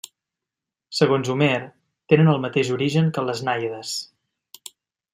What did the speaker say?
Segons Homer tenen el mateix origen que les nàiades.